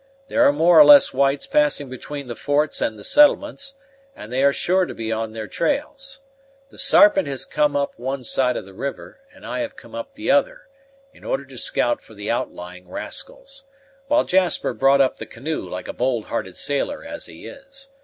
There are more or less whites passing between the forts and the settlements, and they are sure to be on their trails. The Sarpent has come up one side of the river, and I have come up the other, in order to scout for the outlying rascals, while Jasper brought up the canoe, like a bold hearted sailor as he is.